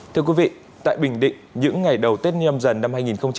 thưa quý vị tại bình định những ngày đầu tết nhâm dần năm hai nghìn hai mươi